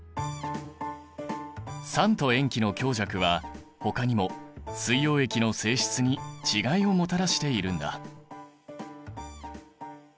酸と塩基の強弱はほかにも水溶液の性質に違いをもたらしているんだ。